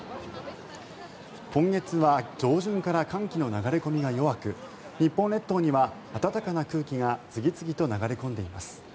今月は上旬から寒気の流れ込みが弱く日本列島には暖かな空気が次々と流れ込んでいます。